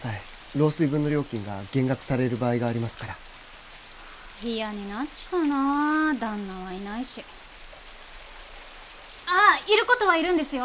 漏水分の料金が減額される場合がありますからはぁ嫌になっちゃうな旦那はいないしああいることはいるんですよ